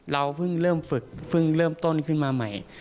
เราเพิ่งเริ่มฝึกเพิ่งเริ่มต้นขึ้นมาใหม่